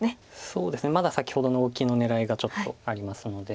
そうですねまだ先ほどのオキの狙いがちょっとありますので。